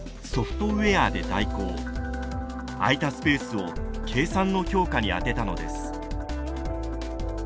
空いたスペースを計算の強化にあてたのです。